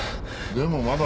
でもまだ。